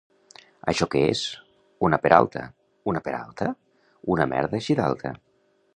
—Això què és? —Una peralta. —Una peralta? —Una merda així d'alta!